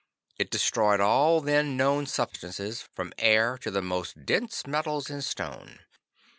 It destroyed all then known substances, from air to the most dense metals and stone.